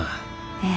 ええ。